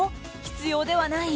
必要ではない？